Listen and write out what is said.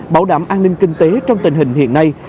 bảo đảm an ninh kinh tế trong tình hình hiện nay